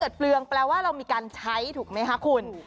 เปลืองแปลว่าเรามีการใช้ถูกไหมคะคุณ